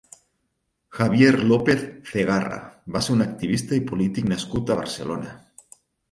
Javier López Cegarra va ser un activista i polític nascut a Barcelona.